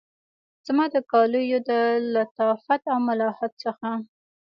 زما د کالیو د لطافت او ملاحت څخه